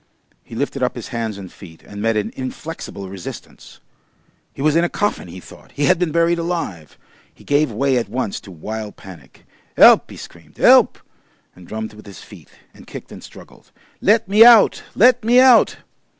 He lifted up his hands and feet, and met an inflexible resistance. He was in a coffin, he thought! He had been buried alive! He gave way at once to wild panic. "'Elp!" he screamed. "'Elp!" and drummed with his feet, and kicked and struggled. "Let me out! Let me out!"